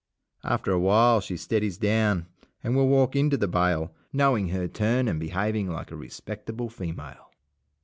After a while she steadies down and will walk into the bail, knowing her turn and behaving like a respectable female.